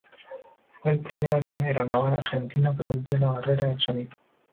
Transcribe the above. Fue el primer avión aeronaval argentino que rompió la barrera del sonido.